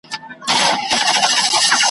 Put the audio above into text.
اوبه په ډانگ نه بېلېږي ,